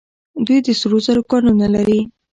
دوی د سرو زرو کانونه لري.